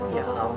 ya ampun nek